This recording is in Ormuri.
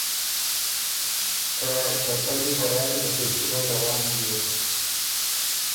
که ته کړّی په رایٛ په پېچُمئ روان بیوک